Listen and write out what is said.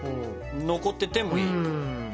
残っててもいい？